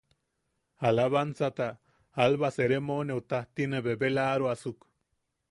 Alabaanzata Alba sermoneu tajti ne bebelaaroasuk.